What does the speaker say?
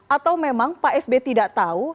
atau memang pak sby tidak tahu